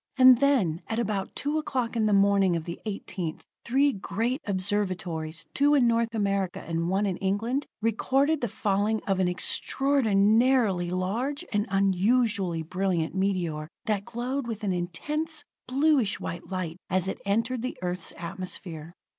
And then, at about two o'clock in the morning of the 18th, three great observatories, two in North America and one in England, recorded the falling of an extraordinarily large and unusually brilliant meteor that glowed with an intense, bluish white light as it entered the Earth's atmosphere.